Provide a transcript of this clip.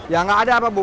ya gak ada apa bu